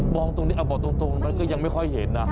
บอกตรงก็ยังไม่ค่อยเห็นน่ะ